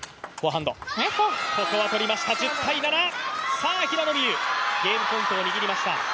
さあ、平野美宇、ゲームポイントを握りました。